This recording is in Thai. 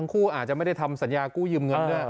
กลับมาพร้อมขอบความ